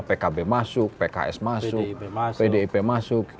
pkb masuk pks masuk pdip masuk